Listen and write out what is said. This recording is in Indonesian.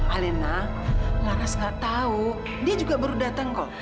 alena laras nggak tahu dia juga baru datang kok